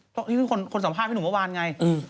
ต้องสืบคนสัมภาษณ์พี่หนุ่มเมื่อวานไง